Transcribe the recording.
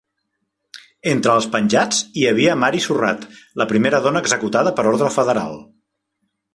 Entre els penjats hi havia Mary Surratt, la primera dona executada per ordre federal.